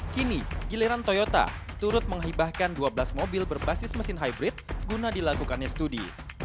kini giliran toyota turut menghibahkan dua belas mobil berbasis mesin hybrid guna dilakukannya studi